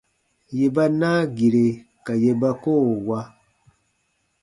Yè ba naa gire ka yè ba koo wa.